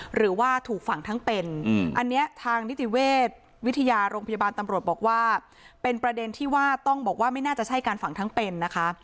หรือว่าถูกฝังทั้งเป็นอันนี้ทางนิติเวชวิทยาโรงพยาบาลตำรวจบอกว่าเป็นประเด็นที่ว่าต้องบอกว่าไม่น่าจะใช่การฝังทั้งเป็นนะคะ